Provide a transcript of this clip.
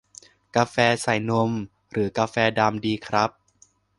กาแฟใส่นม หรือกาแฟดำดีครับ